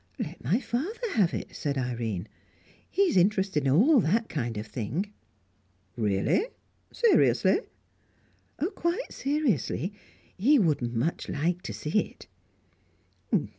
"Let my father have it," said Irene. "He is interested in all that kind of thing." "Really? Seriously?" "Quite seriously. He would much like to see it."